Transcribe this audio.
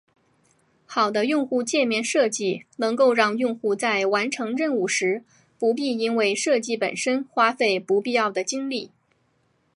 好的用户界面设计能够让用户在完成任务时不必因为设计本身花费不必要的精力。